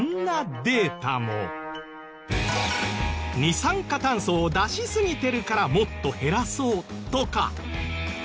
二酸化炭素を出しすぎてるからもっと減らそうとか。